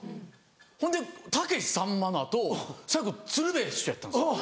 ほんでたけしさんまの後最後鶴瓶師匠やったんですよ。